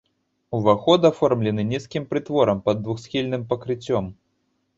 Уваход аформлены нізкім прытворам пад двухсхільным пакрыццём.